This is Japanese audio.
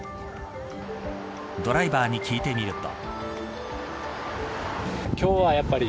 ドライバーに聞いてみると。